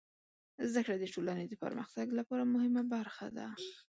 زدهکړه د ټولنې د پرمختګ لپاره مهمه برخه ده.